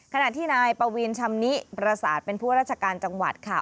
ขณะที่นายปวีนชำนิประสาทเป็นผู้ราชการจังหวัดค่ะ